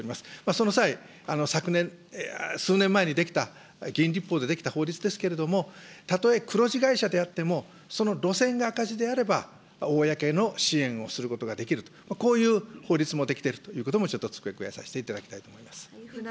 その際、昨年、数年前に出来た、議員立法で出来た法律ですけれども、たとえ黒字会社であっても、その路線が赤字であれば、公の支援をすることができると、こういう法律も出来ているということも、一つ付け加えさせていただきたいと思います。